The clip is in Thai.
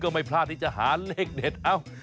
ไม่พลาดที่จะหาเลขเด็ดเอ้า